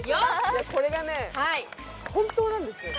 これがね本当なんですよ